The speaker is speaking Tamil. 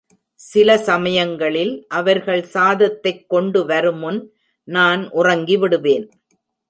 சில சமயங்களில் அவர்கள் சாதத்தைக் கொண்டு வருமுன் நான் உறங்கி விடுவேன்.